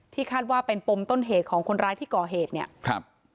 คาดว่าเป็นปมต้นเหตุของคนร้ายที่ก่อเหตุเนี่ยครับ